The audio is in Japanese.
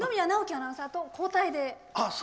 アナウンサーと交代で。